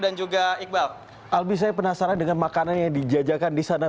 albi saya penasaran dengan makanan yang dijajakan disana